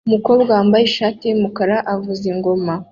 Umukobwa wambaye ishati yumukara avuza ingoma